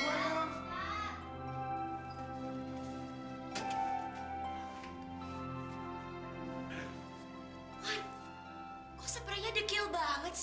buan kok sepraynya dekil banget sih